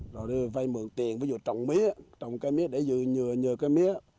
rồi đây phải mượn tiền ví dụ trồng mía trồng cây mía để dự nhờ cây mía